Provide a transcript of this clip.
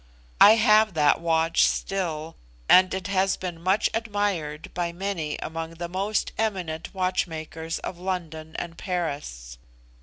I have that watch still, and it has been much admired by many among the most eminent watchmakers of London and Paris.